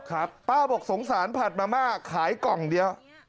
ป้าบอกสงสารผัดมาม่าขายกล่องเดียว